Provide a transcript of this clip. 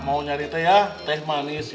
mau nyari teh ya teh manis